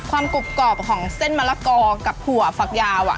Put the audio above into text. กรุบกรอบของเส้นมะละกอกับถั่วฝักยาว